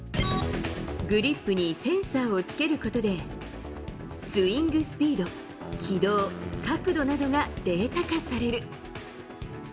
グリップにセンサーをつけることで、スイングスピード、軌道、角度などがデータ化される。